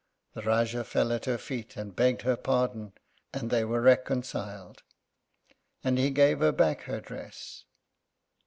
The Rájá fell at her feet and begged her pardon, and they were reconciled. And he gave her back her dress.